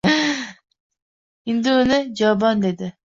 Hindu uni «jobon» dedi